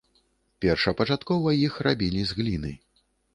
Першапачаткова іх рабілі з гліны.